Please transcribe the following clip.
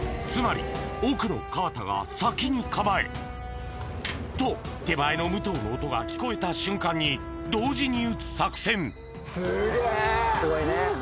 つまり奥の河田が先に構えと手前の武藤の音が聞こえた瞬間に同時に射つ作戦すげぇ！